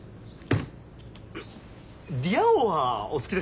「リア王」はお好きですか？